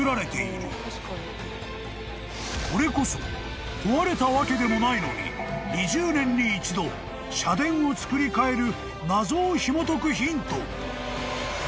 ［これこそ壊れたわけでもないのに２０年に一度社殿を造り替える謎をひもとくヒント］